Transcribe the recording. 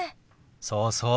そうそう。